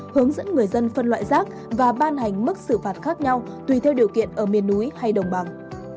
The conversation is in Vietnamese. hướng dẫn người dân phân loại rác và ban hành mức xử phạt khác nhau tùy theo điều kiện ở miền núi hay đồng bằng